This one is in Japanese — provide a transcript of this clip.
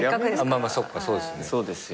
まあまあそっかそうですよね。